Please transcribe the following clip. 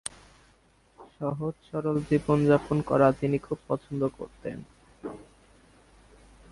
সহজ-সরল জীবন-যাপন করা তিনি খুব পছন্দ করতেন।